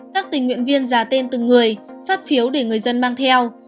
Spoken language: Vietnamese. các tình nguyện viên giả tên từng người phát phiếu để người dân mang theo